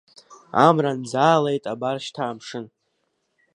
Амра нӡаалеит абар, шьҭа амшын.